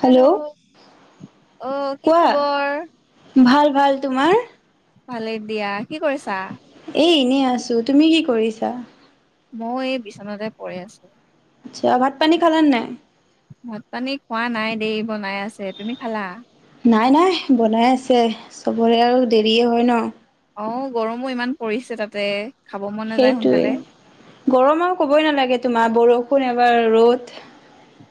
Hello অ কি খবৰ কোৱা ভাল- ভাল তোমাৰ? ভালেই দিয়া কি কৰিছা? এ ', এনেই আছো তুমি কি কৰিছা? মই এই বিচনাতে পৰি আছো। আচ্ছা ভাত পানী খালা নে নাই? ভাত পানী খোৱা নাই দেই বনাই আছে তুমি খালা? নাই -নাই বনাই আছে চবৰে আও দেৰিয়ে হয় ন। অ গৰমো ইমান পৰিছে তাতে। খাব মন নাযায় সেইটোয়ে সোনকালে গৰম আও কবই নালাগে তোমাৰ বৰষুন এ এবাৰ ৰ'দ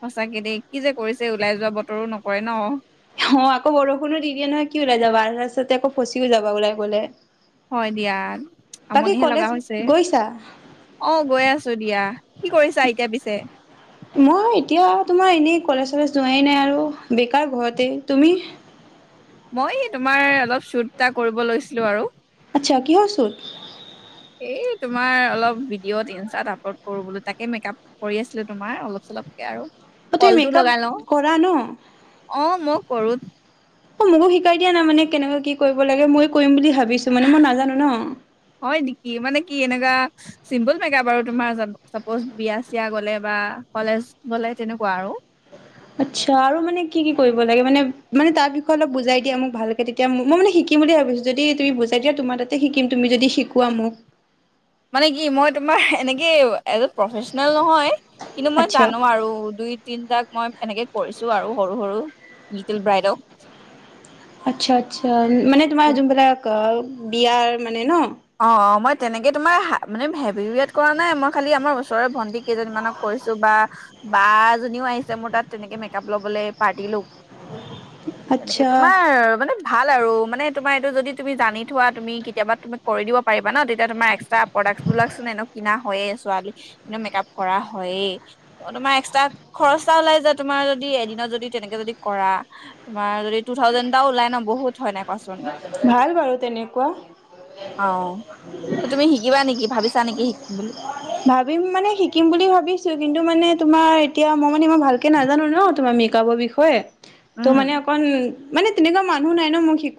সঁচাকে দেই কি যে কৰিছে ওলাই যোৱা বতৰো নকৰে ন? অ আকৌ বৰষুণো দি দিয়ে নহয় কি ওলাই যাবা ৰাস্তাতে আকৌ ফচিও যাব ওলাই গ'লে? হয় দিয়া বাকী আমনিহে লগা কলেজ হৈছে গৈছা অ গৈ আছো দিয়া। কি কৰিছা এতিয়া পিছে? মই এতিয়া তোমাৰ এনেই কলেজ চলেজ যোৱাই নাই আৰু বেকাৰ ঘৰতে তুমি? মই তোমাৰ অলপ চুট এটা কৰিব লৈছিলো আৰু। আচ্ছা, কিহৰ চুত? এই তোমাৰ অলপ ভিডিঅ'ত ইনষ্টাত আপলোড কৰো বোলো, তাকে মেক আপ কৰি আছিলো তোমাৰ অলপ চলপকে আৰু। অ তুমি কলটো মেকআপ লগাই কৰা ন? কৰোত অ মোকো শিকাই দিয়া না মানে কেনেকে কি কৰিব লাগে ময়ো কৰিম বুলি ভাবি ভাবিছো মানে মই নাজানো ন। হয় নেকি মানে কি এনেকুৱা চিম্পুল মেক আপ আৰু তোমাৰ চাপজ বিয়া চিয় গ'লে বা কলেজ গ'লে তেনেকুৱা আৰু। আচ্ছা আৰু মানে কি‌ কি কৰিব লাগে মানে মানে? তাৰ বিষয়ে অলপ বুজাই দিয়া মোক ভালকে তেতিয়া মই মানে শিকিম বুলি ভাবিছো। যদি তুমি বুজাই দিয়া তোমাৰ তাতে শিকিম তুমি যদি শিকোৱা মোক? মানে কি মই তোমাৰ এনেকে এজ প্ৰফেচনেল নহয়। কিন্তু মই আচ্ছা জানো আৰু দুই, তিনটাক মই এনেকে কৰিছো আৰু সৰু সৰু লিটিল ব্ৰাইডক। আত্চ্ছা আত্চ্ছা মানে তোমাৰ যোনবিলাক আ বিয়াৰ মানে ন অ অ মই তেনেকে তোমাৰ হা মানে হেবিৱেট কৰা নাই মই খালি আমাৰ ওচৰৰে ভণ্টিক কেইজনীমানক কৰিছো বা বা এজনীও আহিছে মোৰ তাত তেনেকে মেক আপ লবলৈ পাৰ্টি লোক তেনেকে আচ্ছা তোমাৰ মানে? ভাল আৰু মানে তোমাৰ এইটো যদি তুমি জানি থোৱা তুমি কেতিয়াবা তুমেত কৰি দিব পাৰিবা ন তেতিয়া তোমাৰ এক্সট্ৰা প্ৰডাক্টবিলাকচোন এনে কিনা হয়য়ে ছোৱালীনে মেকআপ কৰা হয়ে, তোমাৰ এক্সট্ৰা খৰচা ওলাই যায় তোমাৰ যদি এদিনত যদি তেনেকে যদি কৰা। তোমাৰ যদি টু থাউজেনড এটা ওলাই ন বহুত হয় নাই। কোৱাচোন [unintelligible] ভাল বাৰু তেনেকুৱা। অ তুমি শিকিবা নেকি ভাবিছা নেকি শিকিম বুলি? ভাবিম মানে শিকিম বুলি ভাবিছো কিন্তু মানে তোমাৰ এতিয়া মই মানে ইই ভালকে নাজানো ন তোমাৰ মেকআপৰ বিষয়ে ত' মানে উম অকণ মানে তেনেকুৱা মানুহ নাই ন' মোক শিক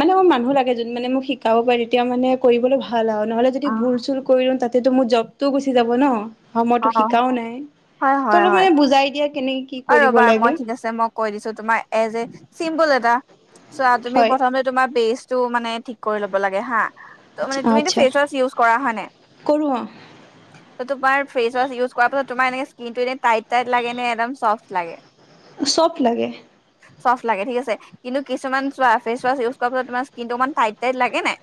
মানে মোৰ মানুহ লাগে যোন মানে মোক শিকাব পাৰে তেতিয়া মানে কৰিবলৈ ভা ভাল নহলে যদি অ ভুল-চুল কৰিলওঁ তাতে টো মোৰ জবটোও গুচি যাব ন। অ সময়তো শিকাও নাই হয় হয় তল হয় মানে বুজাই দিয়া কেনেকে কি অ কৰিব ৰ'বা মই লাগে? ঠিক আছে মই কৈ দিছো তোমাৰ এজ এ চিম্পুল এটা চ' তুমি হয় প্ৰথমতে তোমাৰ বেষ্ট টো মানে ঠিক কৰি ল'ব লাগে হা। তুমিটো আচ্ছা ফেচৱাছ উচ কৰা হয় নে? কৰো ত বাৰ ফেচ ৱাচ ইউজ কৰ পাছত তোমাৰ এ স্কিন টো টাইট-টাইট লাগে নে এডম চফ লাগে। চফ লাগে। চফ্ট লাগে ঠিক আছে কিন্তু কিছুমান চোৱা ফেচৱাচ ইউজ কৰাৰ পিছত তোমাৰ স্কিনটো অকণ মন টাইট-টাইট লাগে নাই?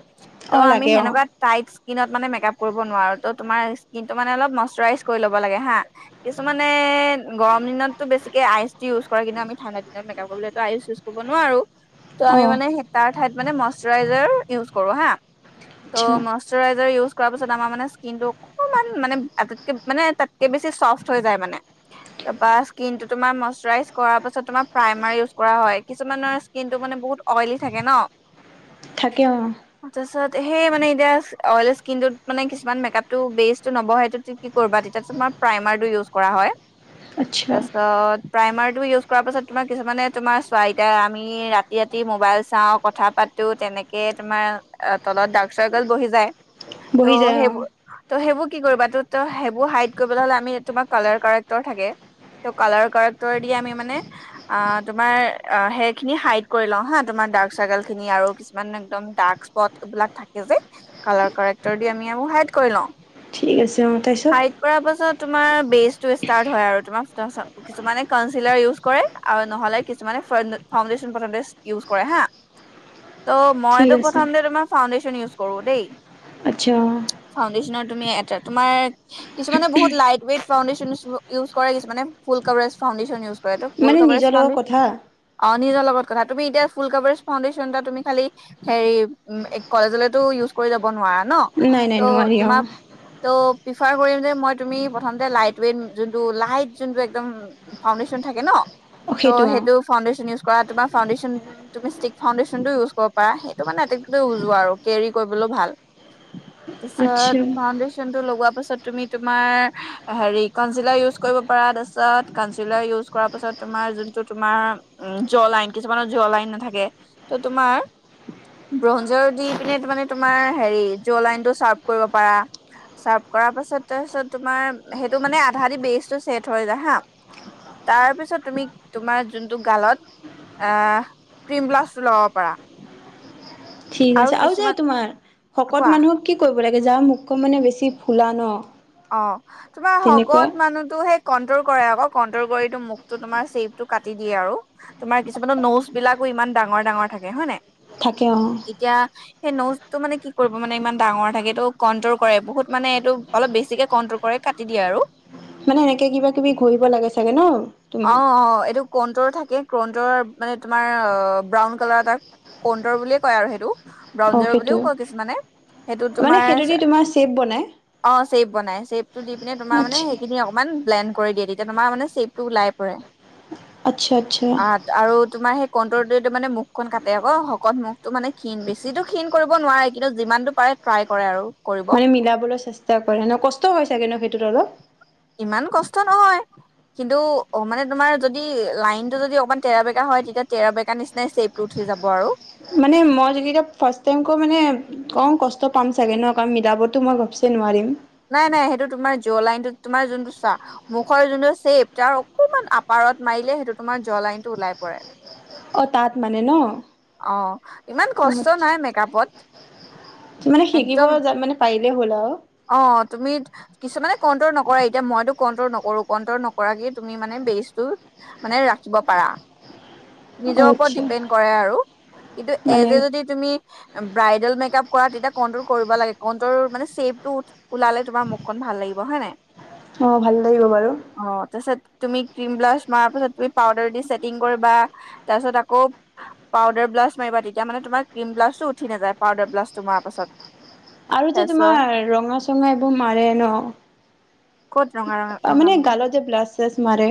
ত' অ আমি লাগে অ হেনেকোৱা তাই স্কিনত মানে মেকআপ কৰিব নো তো তোমাৰ স্কিনটো মানে অলপ নষ্ট ই কৰি ল'ব লাগে হা কিছুমানে গৰম দিনতটো বেছিকে আইচ ইউজ কৰে কিন্তু আমি ঠাণ্ডা দিনত মেকপ কৰিবো আইচ ইউজ কৰিব নোৱাৰো। ত' অ আমি মানে তাৰ ঠাইত মানে মইশ্বাৰইজাৰ ইউজ কৰো হা। ত', আচ্ছা মাষ্টাৰ ৰাজ ইউজ কৰ পিছত আমাৰ মানে স্কিননটো অকণমান মানে? মানে তাতকে বেছি চফ্ট হৈ যায় মানে তাৰপৰা স্কিনটো তোমাৰ মইশৰাইজ কৰাৰ পাছত তোমাৰ প্ৰাইমাৰ ইউজ কৰা হয় কিছুমানৰ স্কিনটো মানে বহুত অইলি থাকে ন? থাকে অ', তাৰপিছত সেই মানে এতিয়া অইল স্কিনত মানে কিছুমান মেকআপটো বেচটো নবহেইটো কি কৰিবা তেতিয়া তুমাৰ প্ৰাইমাৰটো ইউজ কৰা হয়। আচ্ছা তাৰপিছত? প্ৰাইমাৰটো ইউজ কৰাৰ পাছত তোমাৰ কিছুমানে তোমাৰ চইতা আমি ৰাতি ৰাতি মোবাইল চাওঁ কথা পাতো তেনেকেই তোমাৰ তলত ডাৰ্ক চাৰ্কেল বহি যায়। ত', বহি যায় অ সেইব ত ', সেইব কি কৰিবা তটো ত', সেইবোৰ হাইড কৰিবলৈ হলে আমি তোমাৰ কালাৰ কাৰেক্টৰ থাকে ত কালাৰ কাৰেক্টৰ দি আমি মানে আহ তোমাৰ হেয়াৰ খিনি হাইট কৰি লওঁ হা তোমাৰ্ক চাৰ্ল খিনি আৰু কিছুমান একম ডাৰ্ক স্প এইবিলাক থাকে যে কালাৰ কক্টৰ দি আমি এইবোৰ হাই কৰি লওঁ। ঠিকছে। হাইট কৰা পাছত তোমাৰ বেচটো ষ্টাৰট হয় আৰু তোমাৰ। কিছুমানে কািলাৰ ইউজ কৰে আৰু নহলে কিছুমানে ফাউডেশচন প্ৰথমতে ইউজ কৰে হা ত', ঠিক মইো আছে প্ৰথম তোমাৰ ফাউণ্ডেশ্যন ইউজ কৰো দেই। আচ্ছা অ ফাউণ্ডেশচনৰ তুমি এ', তোমাৰ কিছুমানে বহুত লাইট ৱেইট ফাউডেশন ইউজ কৰাইছে মান ফুল কভাৰেজ ফাণ্ডেশন ইউজ টো ফুল মানে কাপাৰ নিজৰ লগত চানি কথা আৰু নিজৰ লগত কথা তুমি এতিয়া ফুল কভাৰেজ ফাউণ্ডেশচন এটা তুমি খালি হেৰি উম কলেজলেতো ইউজ কৰি যাব নোৱাৰা। ন', নাই ত নাই ', নোৱাৰি অ তোমাৰ ত', প্ৰিফাৰ কৰিম যে মই তুমি প্ৰথম লাইট ৱট য লাইট যোন একম ফাউডেশন থাকে ন। ত' সেইটো ফাউণ্ডেশ্যন ইউজ কৰা তোমাৰ ফাউণ্ডেশ্যন তুমি ষ্টিক ফাউণ্ডেশ্যন টো ইউজ কৰিব পাৰা সেইটো মানে এট উজোৱা আৰু কেৰি কৰিবলৈ ভাল। তছ আচ্ছা ফাউণ্ডেশনটো লগোৱা পিছত তুমি তোমাৰ হেৰি কঞ্চিলাৰ ইউচ কৰিব পৰা তাৰ পাছত কঞ্চিলাৰ ইউচ কৰাৰ পাছত তোমাৰ জোনটো তোমাৰ উম ', জ লাইন কিছুমানৰ জ লাইন নাথাকে তোমাৰ ব্ৰঞ্জৰ দি পিনে তোমাৰ জ লাইনটো শ্বাৰ্প কৰিব পাৰা শ্বাৰ্প কৰা পাছত তাৰপিছত তোমাৰ সেইটো মানে আধা দি বেচটো চছেট হৈ যায় হা তাৰ পিছত তুমি তোমাৰ যোনটো গালত আহ ক্ৰীম ব্লাছটো লগাব পাৰা। ঠিক আছে আৰু যে তোমাৰ ভকত কোৱা মানুহক কি কৰিব লাগে যাৰ মুখ মানে বেছি ফুলা ন? অ', তোমাৰ তেনেকুৱা শকত মানুহতো এই কন্ট্ৰল কৰেই আকৌ কন্ট্ৰল কৰি মুখতো তোমাৰ চেপটো কাটি দিয়ে আৰু তোমাৰ কিছুমানো নোচ বিলাকো ইমান ডাঙৰ ডাঙৰ থাকে হয় নে নাই। থাকে অ এতিয়া। সেই নোচটো মানে কি কৰিব মানে ইমান ডাঙৰ থাকে। এইটো কণ্ট্ৰল কৰে বহুত মানে এইটো অলপ বেছি। বেছিকে কনতল কৰে কাটি দিয়ে আৰু। মানে এনেকে কিবা কিবি ঘূৰিব লাগে চাগে ন। তোমাৰ অ' অ' এইটো কনটোৰ থাকে। ক্ৰণ্ডৰ মানে তোমাৰ ব্ৰাউন কালাৰ টা ক্ৰণ্ডৰ বুলিয়ে কয় আৰু সেইটো। অ ব্ৰাউনজাৰ বুলি সেইটো কয় কিছুমানে সেইটো মানে তোমাৰ সেইটো দি তোমাৰ চেপ বনাই অ চেপ বনায়। চেপটো দি পিনে আচ্ছা সেইখিনি অকণমান ব্লেন। কৰি দিয়ে তেতিয়া তোমাৰ মানে চেপ। টো ওলাই পৰে। আচ্ছা আচ্ছা আহ আৰু তোমাৰ সেই। কণ্ট্ৰটোৰে মানে মুখখন কাটে আকৌ শকত মুখটো মানে ক্ষীণ বেছিতো ক্ষীণ কৰিব নোৱাৰে কিন্তু যিমানতটো পাৰে ট্ৰাই কৰে আৰু। কৰিব মানে মিলাবলৈ চেষ্টা। মিলাবলৈ কষ্ট হৈ চাগেনো সেইটোত অলপ। ইমান কষ্ট নহয় কিন্তু অ মানে তোমাৰ যদি লাইনটো যদি অকমান তেৰাবেকা হয় তেতিয়া তেৰাবেকা নিচিনাই চেপটো উঠি যাব আৰু। মানে মই যদি এতিয়া ফাৰ্ষ্ট টাইম কৈ মানে কওঁ কষ্ট পাম চাগে ন কাৰণ মিলাবতটো মই ঘপছেই নোৱাৰিম। নাই নাই সেইটো তোমাৰ জ্ব লাইনটো তোমাৰ যোনটো চাহ মুখৰ যোনটো চেপ তাৰ অকমান আপাৰত মাৰিলে সেইটো তোমাৰ জ্ব লাইনটো ওলাই পৰে। অ তাত মানে ন। অ ইমান কষ্ট নাই অ মেকআপত। মানে শিকিব একদম য মানে পাৰি। এই হ'ল আৰু। অ তুমি কিছুমানে কণ্ট্ৰল নকৰে। এতিয়া মইতো কণ্ট্ৰল নকৰো কণ্ট্ৰল নকৰাকে তুমি মানে বেজটো মানে ৰাখিব পাৰা। অ নিজৰ ওপৰত আচ্ছা ডিপেণ্ড কৰে আৰু কিন্তু মানে এজ এ যদি তুমি। ব্ৰাইডেল মেক আপ কৰা তেতিয়া কন্ট্ৰল কৰিব লাগে কনটোৰ মানে চেফ। তোৰ ওঁঠ ওলালে তোমাৰ মুখখন ভাল লাগিব হয় নাই। অ ভাল লাগিব বাৰু। অ তাৰপিছত তুমি ক্ৰিম ব্লাছ মাৰা পাছত তুমি পাউদাৰ দি ছেটিং কৰিবা তাৰ পাছত আকৌ পাউদাৰ ব্লাছ মাৰিবা তেতিয়া মানে তোমাৰ ক্ৰীম ব্লাছটো উঠি নাযায় পাউদাৰ ব্লাছটো মাৰা পাছত। আৰু যে তাৰপিছত তোমাৰ ৰঙা। কিছুমানে এইবোৰ মাৰে ন। ক'ত ৰঙা ৰঙা মানে মাৰে হয়। গালত যে ব্লাছ চাছ মাৰে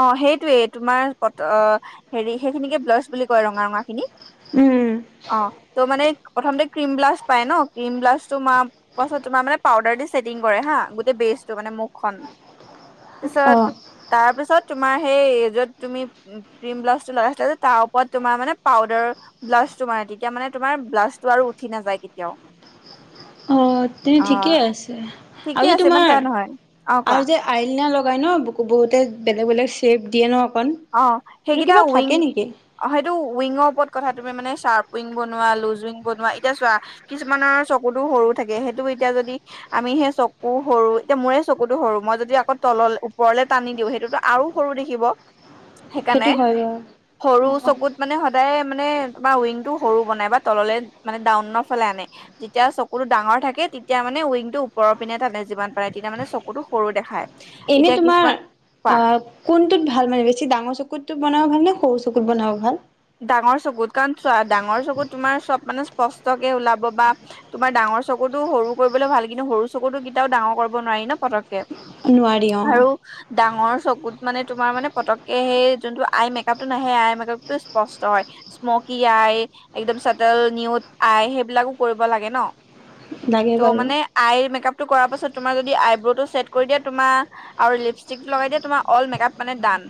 অ সেইটোৱে তোমাৰ। অ' হেৰি সেইখিনিকে ব্লাছ বুলি কয় ৰঙা ৰঙা খিনি। উম। অ ত মানে প্ৰথম ক্ৰীম ব্লাছ পায় ন, ক্ৰীম ব্লাছ তো মানে মৰাৰ পিছততোমাৰ মানে পাউদাৰ দি চেটিং কৰে হা গোটেই বেচটো মানে মুখখন অ পিছত। তাৰ পিছত তোমাৰ সেই য'ত তুমি ক্ৰীম ব্লাছটো লগাইছিলা যে তাৰ ওপৰত তোমাৰ মানে পাউডাৰ ব্লাছটো মাৰে তেতিয়া মানে তোমাৰ ব্লাছটো আৰু উঠি নাযায় কেতিয়াও। তো ঠিকেই অ', আছে আৰু ঠিকে যে আছে ইমান তোমাৰ টান নহয় অ' কোৱা আৰু যে আইলিনা লগাই। উপায় ন বহুতে বেলেগ বেলেগ চেপ দিয়ে ন। অকণ অ' এইটো সেইকেইটা কিবা উইং থাকে নেকি অ 'সেইটো উইংৰ ওপৰত কথা তুমি মানে চ্বাৰ্প উইং বনোৱা লুজ উইং বনোৱা এতিয়া চোৱা কিছুমানৰ চকুতো সৰু থাকে সেইটো এতিয়া যদি আমি সেই চকু সৰু এতিয়া মোৰে চকুতো সৰু, মই যদি আকৌ তল ওপৰলে টানি দিওঁ সেইটোতো আৰু সৰু দেখিব। সেইকাৰণে সেইটো হয় বাৰু সৰু চকুত মানে সদায় মানে তোমাৰ উইং টো সৰু বনাই বা তললে মানে ডাউনৰ ফালে আনে যেতিয়া চকুতটো ডাঙৰ থাকে তেতিয়া মানে উইংৰ পিনে ত আাননে যিমান পাৰে তেতিয়া মানে চকুতটো সৰু দেখায়। এনে এতিয়া তোমাৰ কিছুমান পা অ' কোনটোত ভাল ভাল মানে বেছি ডাঙৰ চকুতটো বনাব ভাল নে সৰু চকুত বনাব ভাল ডাঙৰ চকুত কাৰণ ডাঙৰ চকুত চোৱা তোমাৰ চব মানে স্পষ্টকে ওলাব বা তোমাৰ ডাঙৰ চকুতো সৰু কৰিবলৈ ভাল কিন্তু সৰু চকুতো কেতিয়াও ডাঙৰ কৰিব নোৱাৰি ন পতককে। নোৱাৰি অ আৰু ডাঙৰ চকুত মানে তোমাৰ মানে পতককে সেই যোনটো সেই আই মেকআপ টো নাহে সেই আই মেকাপটো স্পষ্ট হয় স্মকি আই একদম চটেল নিউড আই সেইবিলাকো কৰিব লাগে ন? লাগে তো' বাৰু মানে আই মেকআপ টো কৰা পাছত তাৰপাছত তোমাৰ যদি আইব্ৰ টো চছেট কৰি দিয়া তোমাৰ আৰু লিপষ্টিক টো লগাই দিয়া তোমাৰ অল মেক আপ মানে ডান।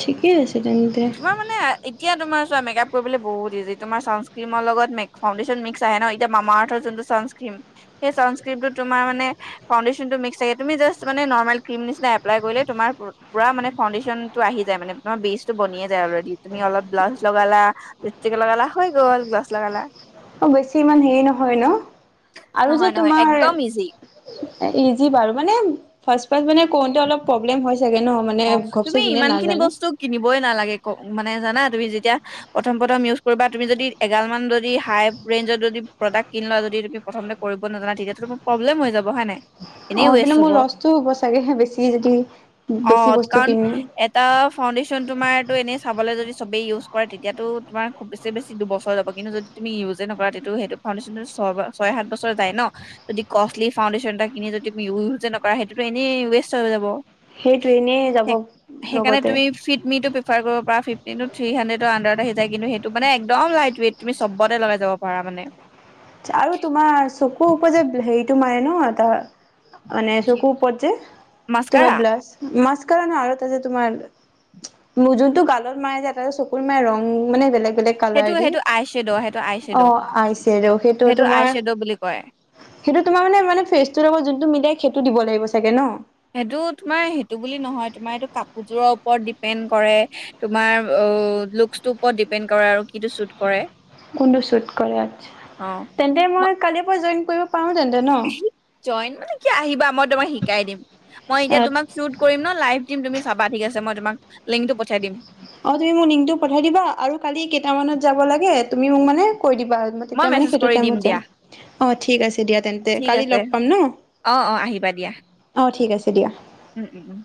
ঠিকেই আছে তেন্তে তোমাৰ মানে এতিয়া তোমাৰ চোৱা মেকআপ কৰিবলৈ বহুত ইজি তোমাৰ ছানস্ক্ৰীমৰ লগতে ফাউডেশ্যন মিক্স আহে ন এতিয়া মামা আৰ্থৰ যোনটো ছানস্ক্ৰীম সেই ছানস্ক্ৰীমটো তোমাৰ মানে ফাউডেশ্যনটো মিক্স থাকে তুমি জাষ্টা মানে নৰ্মেল ক্ৰীম নিচিনা এপ্লাই কৰিলে তোমাৰ পুৰা মানে ফাউণ্ডেশ্যনটো আহি যায় মানে তোমাৰ বেচটো বনিয়ে যায় অলৰেডি তুমি অলপ ব্লাজ লগালা লিপষ্টিক লগালা হৈ গ'ল ব্লাছ লগালা অ' বেছি ইমান হেৰি নহয় ন 'আৰু যে নহয় নহয় তোমাৰ একদম ইজি ইজি বাৰু মানে ফাষ্ট ফাষ্ট মানে কৰোঁতে অলপ প্ৰব্লেম হয় ছাগে অ' তুমি ইমান খিনি বস্তু কিনিবই নালাগে ক মানে জানা তুমি যেতিয়া প্ৰথম প্ৰথম ইউজ কৰিবা তুমি যদি এগাল মান যদি হাই ৰেঞ্জৰ যদি প্ৰডাক কিনি লোৱা যদি তুমি প্ৰথম কৰিব নাজানা তেতিয়াটো তোমাৰ প্ৰব্লেম হৈ যাব হয় নে নাই। এনেই অ' এই ৱেষ্ট পিনে হ'ব মোৰ লষ্টো হ'ব চাগে বেছি যদি বেছি অ' বস্তু কাৰণ কিনো এটা ফাউডেশচন তোমাৰটো এনেই চাবলৈ যদি চবেই ইউজ কৰে তেতিয়া তোমাৰ খুব বেছি বেছি দুবছৰ যাব কিন্তু যদি তুমি ইউজে নকৰা তেতিয়া সেইটো ফাউণ্ডেশ্যনটো ছয় ছয় সাত বছৰ যায় ন যদি কষ্টলি ফাউণ্ডেশ্যন এটা কিনি যদি তি ইউজে নকৰা সেইটোতো এনেই ৱেষ্ট হৈ যাব। সেইটো এনেই যাব সেইকাৰণে লগতে তুমি ফিটমিটো প্ৰিফাৰ কৰিব পাৰা ফিফটিন টো থি শানদেত আডাৰত আহি যায় কিন্তু সেইটো মানে একদম লাইট ৱেট তমি চবতে লগাই যাব পাৰা মানে। আৰু তোমাৰ চকুৰ ওপৰৰ যে হেৰি তোমাৰে ন তাৰ অ কি চকু ওপৰত যে তোমাৰ মাস্কাৰা ব্লাছ মাস্ক মাস্কাৰা আৰু এটা যে তোমাৰ যোনটো গালত মাৰে যে চকুৰ ৰং মানে বেলেগ বেলেগ সেইটো কালাৰ দি সেইটো আই শ্বেড' সেইটো আই শ্বেড' অ' আই চেদ' সেইটো আই তোমাৰ শ্বেড' বুলি কয় সেইটো তোমাৰ মানে ফেচটোৰ লগত যোনটো মিলে সেইটো দিব লাগিব চাগে ন! সেইটো তোমাৰ সেইটো বুলি নহয় তোমাৰ এইটো তোমাৰ কাপোৰ যোৰৰ ওপৰত ডিপেণ্ড কৰে তোমাৰ লুক্সটো ওপৰত দিপেণ্ড কৰে আৰু কিটো চুট কৰে। কোনটো শ্বুট কৰে অ আচ্ছা তেন্তে মই কালিৰ পৰা জইন কৰিব পাৰোঁ তেন্তে ন জইন মানে কি আহিবা। মই তোমাক শিকাই দিম মই এতিয়া তোমাক চুট কৰিম ন লাইভ। দিম তুমি চাবা ঠিক আছে মই তোমাক লিংকটো পঠাই দিম। অ তুমি মোক লিংকটো পঠাই দিবা আৰু কালি কেইটামানত যাব লাগে তুমি মোক মানে- কৈ দিবা মই তেতিয়া মানে মেছেজ সেইটো কৰি দিম টাইমত যাম, দিয়া অ', ঠিক আছে দিয়া তেন্তে ঠিক কালি আছে লগ পাম ন অ', অ', আহিবা দিয়া। অ', ঠিক আছে দিয়া। উম, উম, উম।